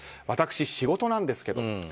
私、仕事なんですけど。